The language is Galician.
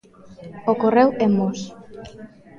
Ocorreu en Mos.